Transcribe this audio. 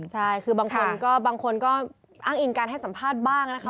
ใช่คือบางคนก็บางคนก็อ้างอิงการให้สัมภาษณ์บ้างนะคะ